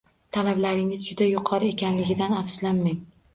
Talablaringiz juda yuqori ekanligidan afsuslanmang.